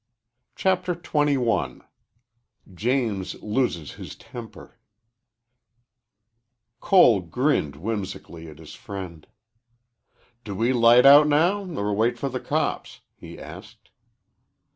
CHAPTER XXI JAMES LOSES HIS TEMPER Cole grinned whimsically at his friend. "Do we light out now or wait for the cops?" he asked.